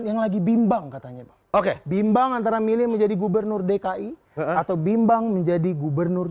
yang lagi bimbang katanya oke bimbang antara milih menjadi gubernur dki atau bimbang menjadi gubernur